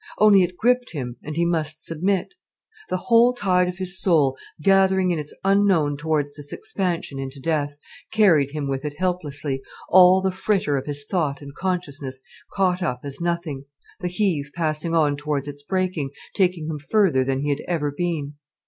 Only it gripped him and he must submit. The whole tide of his soul, gathering in its unknown towards this expansion into death, carried him with it helplessly, all the fritter of his thought and consciousness caught up as nothing, the heave passing on towards its breaking, taking him further than he had ever been.